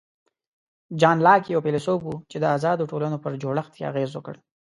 جان لاک یو فیلسوف و چې د آزادو ټولنو پر جوړښت یې اغېز وکړ.